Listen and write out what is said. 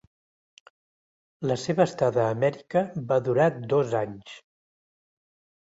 La seva estada a Amèrica va durar dos anys.